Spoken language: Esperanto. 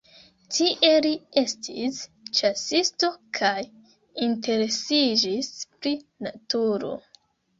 Tie li estis ĉasisto kaj interesiĝis pri naturo.